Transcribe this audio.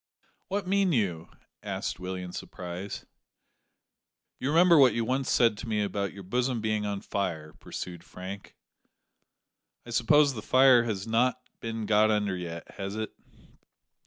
"What mean you?" asked Willie in surprise. "You remember what you once said to me about your bosom being on fire," pursued Frank. "I suppose the fire has not been got under yet, has it?"